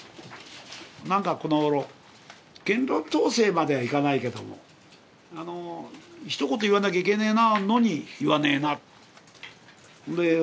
なんかこの頃言論統制まではいかないけどもひと言言わなきゃいけねえのに言わねえなと。